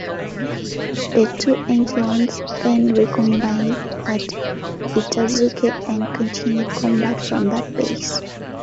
The two echelons then recombined at Itazuke and continued combat from that base.